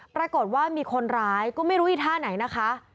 ปรากฏว่ามีคนร้ายก็ไม่รู้อีกท่าไหนนะคะ